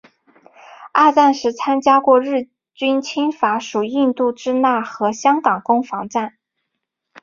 二战时参加过日军入侵法属印度支那和香港攻防战。